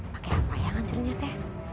pake apa yang ngancurin aku